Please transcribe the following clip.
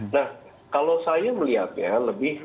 nah kalau saya melihatnya lebih